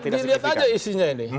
ya kita lihat lihat aja isinya ini